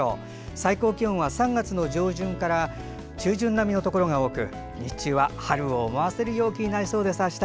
最高気温は３月の上旬から中旬並みのところが多く日中は春を思わせる陽気になりそうです、あした。